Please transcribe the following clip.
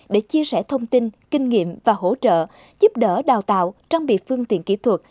để chia sẻ thông tin kinh nghiệm và hỗ trợ giúp đỡ đào tạo trang bị phương tiện kỹ thuật